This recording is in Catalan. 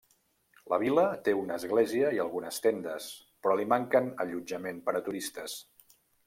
La vila té una església i algunes tendes, però li manquen allotjament per a turistes.